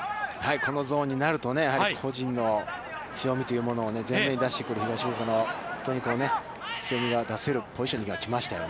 このゾーンになるとね、やはり個人の強みというものを前面に出してくる東福岡の強みが出せるポジションに来ましたよね。